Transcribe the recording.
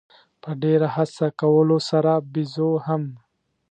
په ډېره هڅه کولو سره بېزو هم.